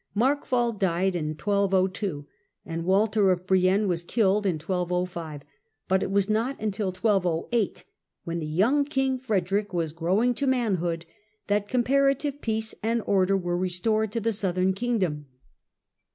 Markwald died in 1202 and Walter of Brienne was killed in 1205, but it was not till 1208, when the young king Frederick was growing to manhood, that compara tive peace and order were restored to the southern king dom.